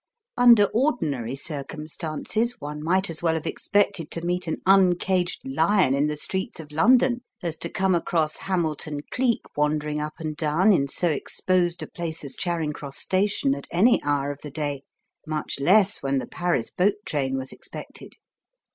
Under ordinary circumstances one might as well have expected to meet an uncaged lion in the streets of London, as to come across Hamilton Cleek wander ing up and down in so exposed a place as Charing Cross Station at any hour of the day, much less when the Paris boat train was expected.